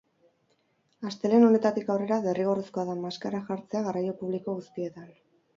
Astelehen honetatik aurrera, derrigorrezkoa da maskara jartzea garraio publiko guztietan.